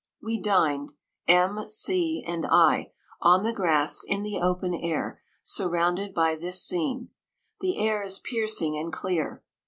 We dined (M, C, and I) on the grass, in the open air, surrounded by this scene. The air is piercing and clear.